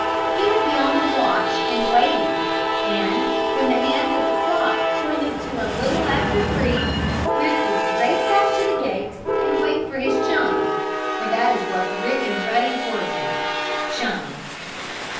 He would be on the watch and waiting, and, when the hands of the clock pointed to a little after three, Rick would race out to the gate and wait for his chum; for that is what Rick and Ruddy were now chums.